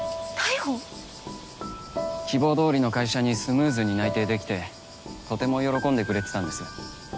希望どおりの会社にスムーズに内定できてとても喜んでくれてたんです。